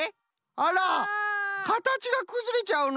あらかたちがくずれちゃうの。